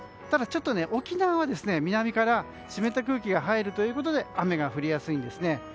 ただ、沖縄は南から湿った空気が入るということで雨が降りやすいんですね。